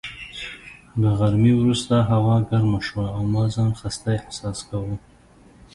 له غرمې وروسته هوا ګرمه شوه او ما ځان خسته احساس کاوه.